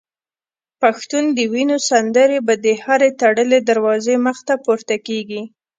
پښتون د وینو سندري به د هري تړلي دروازې مخته پورته کیږي